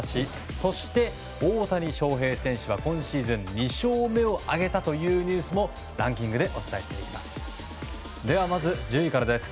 そして、大谷翔平選手は今シーズン２勝目を挙げたというニュースもランキングでお伝えしていきます。